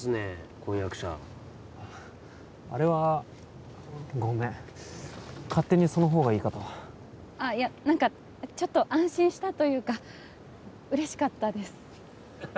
婚約者あれはごめん勝手にその方がいいかとあいや何かちょっと安心したというか嬉しかったですハハハ